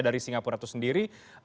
dari singapura itu sendiri